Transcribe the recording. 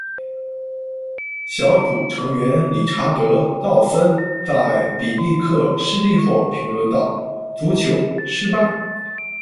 小组成员理查德·道森在比利克失利后评论道：足球：失败。